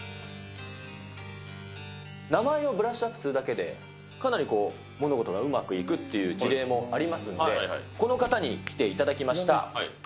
名前をブラッシュアップするだけでかなり物事がうまくいくっていう事例もありますので、この方に来ていただきました。